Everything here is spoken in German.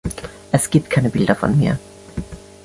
Es gibt keine Bilder von mir.